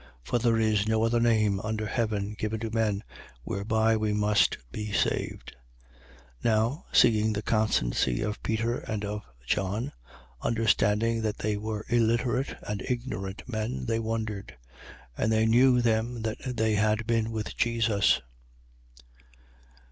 For there is no other name under heaven given to men, whereby we must be saved. 4:13. Now seeing the constancy of Peter and of John, understanding that they were illiterate and ignorant men, they wondered: and they knew them that they had been with Jesus.